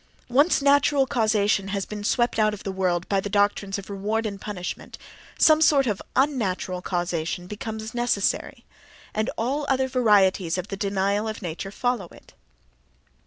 Once natural causation has been swept out of the world by doctrines of reward and punishment some sort of un natural causation becomes necessary: and all other varieties of the denial of nature follow it.